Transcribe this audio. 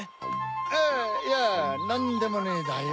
あっいやなんでもねえだよ。